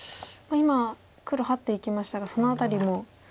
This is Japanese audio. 今黒ハッていきましたがその辺りも。